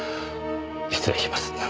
失礼します。